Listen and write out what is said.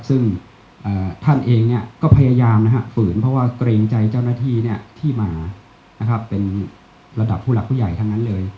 ซึ่งท่านเองเนี่ยก็พยายามนะครับฝืนเพราะว่าเกรงใจเจ้าหน้าที่เนี่ยที่มานะครับเป็นระดับผู้หลักผู้ใหญ่ทั้งนั้นเลย